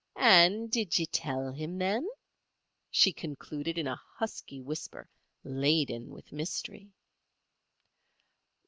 And did ye tell him, then?" she concluded in a husky whisper, laden with mystery.